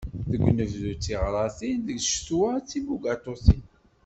Deg unebdu, d taɣratin. Deg ccetwa, d tibugaṭutin.